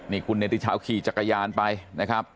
นี่คุณเนติชาวขี่จักรยานไปนะครับ